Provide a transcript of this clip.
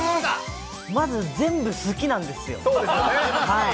まず全部好きなんですよ。